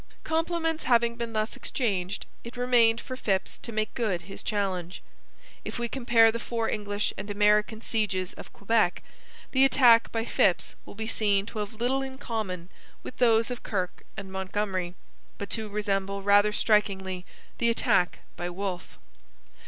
Compliments having been thus exchanged, it remained for Phips to make good his challenge. If we compare the four English and American sieges of Quebec, the attack by Phips will be seen to have little in common with those of Kirke and Montgomery, but to resemble rather strikingly the attack by Wolfe.